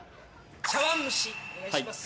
茶碗蒸しお願いします。